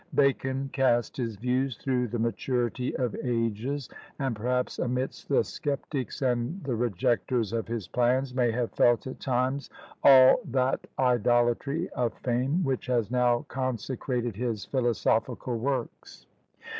Bacon cast his views through the maturity of ages, and perhaps amidst the sceptics and the rejectors of his plans, may have felt at times all that idolatry of fame, which has now consecrated his philosophical works.